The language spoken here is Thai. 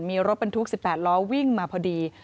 มีรถบรรทุก๑๘ล้อวิ่งมาพอดี